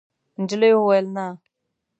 نجلۍ وویل: «نه.»